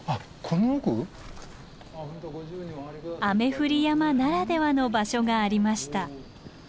雨降り山ならではの場所がありました。